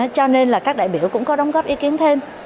cho nên là các đại biểu cũng có đóng góp ý kiến thêm